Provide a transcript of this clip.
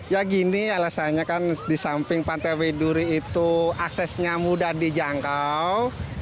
ya gini alasannya kan disamping pantai widuri itu aksesnya mudah dijangkau